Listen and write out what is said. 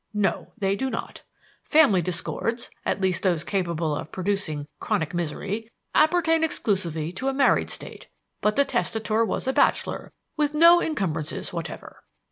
No, they do not. Family discords at least those capable of producing chronic misery appertain exclusively to a married state. But the testator was a bachelor with no encumbrances whatever.